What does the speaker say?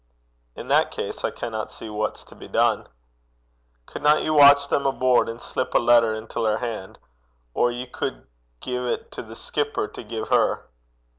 'In that case, I canna see what's to be dune.' 'Cudna ye watch them aboord, an' slip a letter intil her han'? Or ye cud gie 't to the skipper to gie her.'